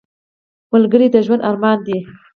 ملګری د ژوند ارمان دی